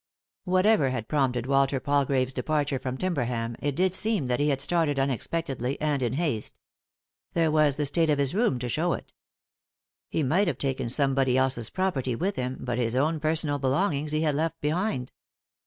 Whatever had prompted Walter Palgrave's departure from Timberham, it did seem that he had started un expectedly and in haste. There was the state of his room (o show it. He might have taken somebody else's property with him, but his own personal belong ings he had left behind.